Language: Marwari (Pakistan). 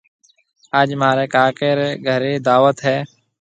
آج مهاريَ ڪاڪي رَي گھريَ دعوت هيَ۔